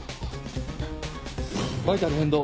バイタル変動。